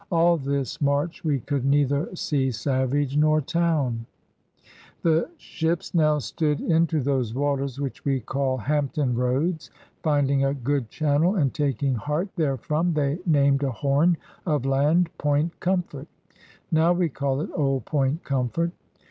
All this march we could neither see Savage nor Towne."' The ships now stood into those waters which we call Hampton Roads. Finding a good channel and taking heart therefrom, they named a horn of land Point Comfort. Now we call it Old Point Comfort.